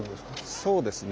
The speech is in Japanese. そうですね。